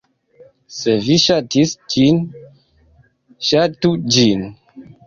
Se vi ŝatis ĝin, ŝatu ĝin!